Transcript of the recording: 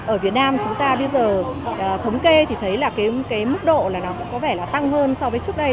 ở việt nam chúng ta bây giờ thống kê thì thấy là mức độ có vẻ tăng hơn so với trước đây